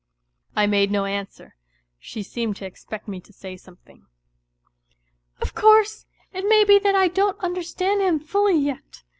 I made no answer. Sli^e^m?3!^^e^pe^rT3erfo say something. " Of course, it may be that I don't understand him fully yet.